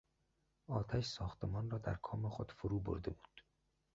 آتش ساختمان را در کام خود فرو برده بود.